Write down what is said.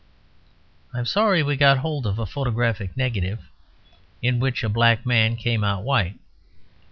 I am sorry we got hold of a photographic negative in which a black man came out white.